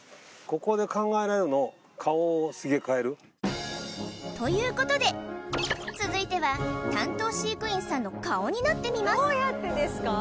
ここで考えられるのということで続いては担当飼育員さんの顔になってみます